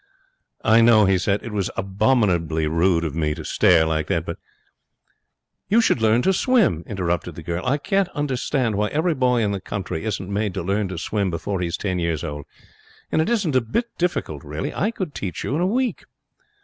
'I know,' he said, 'it was abominably rude of me to stare like that; but ' 'You should learn to swim,' interrupted the girl. 'I can't understand why every boy in the country isn't made to learn to swim before he's ten years old. And it isn't a bit difficult, really. I could teach you in a week.'